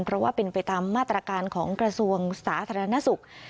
เพราะว่าเป็นไปตามมาตรการของกระทรวงสาธารณสุข